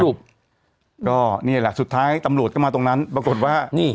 ก็นี่แหละสุดท้ายตำรวจก็มาตรงนั้นปรากฏว่านี่